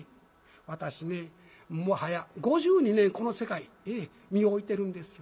私ねもう早５２年この世界身を置いてるんですよ。